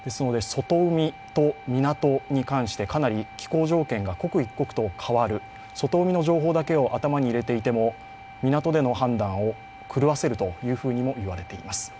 外海と港に関して気象条件が刻一刻と変わる、外海の情報だけを頭に入れていても港での判断を狂わせるとも言われています。